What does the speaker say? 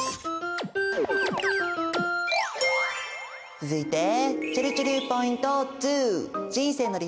続いてちぇるちぇるポイント２。